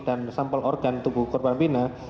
dan sampel organ tubuh korban mirna